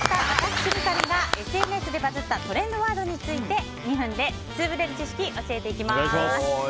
私、三上がＳＮＳでバズったトレンドワードについて２分でツウぶれる知識教えていきます。